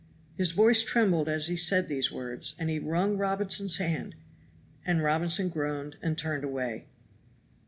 His voice trembled as he said these words and he wrung Robinson's hand, and Robinson groaned and turned away.